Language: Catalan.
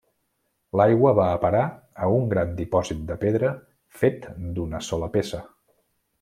L'aigua va a parar a un gran dipòsit de pedra fet d'una sola peça.